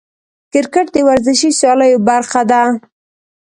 کرکټ د ورزشي سیالیو برخه ده.